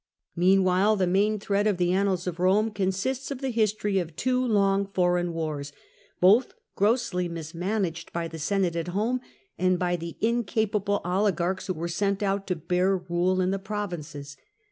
Meanwhile the main thread of the annals of Rome consists of the history of two long foreign wars, both grossly mismanaged by the Senate at home and by the incapable oligarchs who were sent out to bear rule in the provinces.